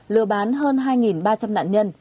lừa bán hơn hai ba trăm linh nạn nhân